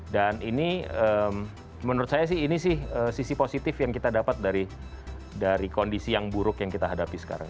dan ini menurut saya sih ini sih sisi positif yang kita dapat dari kondisi yang buruk yang kita hadapi sekarang